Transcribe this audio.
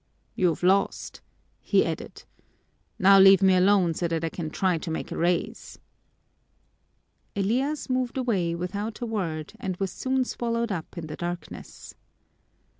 "You've lost," he added. "Now leave me alone so that I can try to make a raise." Elias moved away without a word and was soon swallowed up in the darkness.